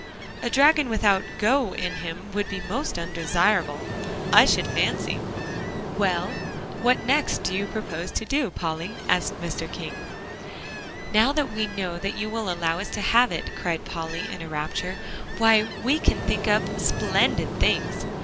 "A dragon without 'go' in him would be most undesirable, I should fancy. Well, what next do you propose to do, Polly?" asked Mr. King. "Now that we know that you will allow us to have it," cried Polly in a rapture, "why, we can think up splendid things.